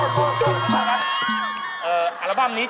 มาแถวนี้